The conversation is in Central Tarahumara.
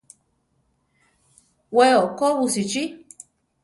We okó busichí.